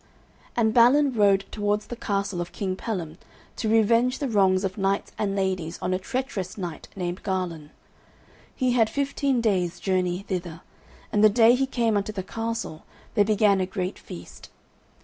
And Balin rode towards the castle of King Pellam to revenge the wrongs of knights and ladies on a treacherous knight named Garlon. He had a fifteen days' journey thither, and the day he came unto the castle there began a great feast.